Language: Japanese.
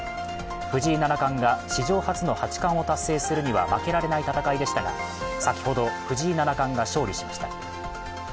藤井七冠が史上初の八冠を達成するには負けられない戦いでしたが、先ほど藤井七冠が勝利しました。